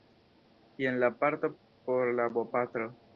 Jen la parto por la bopatro